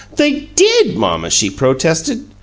"They DID, mamma," she protested.